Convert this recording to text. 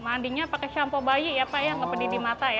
mandinya pakai shampoo bayi ya pak ya nggak pedih di mata ya